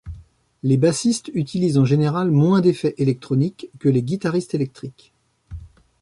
Les bassistes utilisent en général moins d'effets électroniques que les guitaristes électriques.